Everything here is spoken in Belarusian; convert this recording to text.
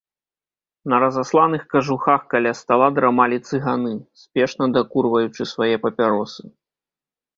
На разасланых кажухах каля стала драмалі цыганы, спешна дакурваючы свае папяросы.